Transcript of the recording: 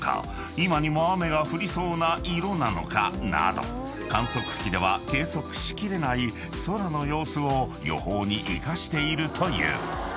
今にも雨が降りそうな色なのかなど観測器では計測し切れない空の様子を予報に生かしているという］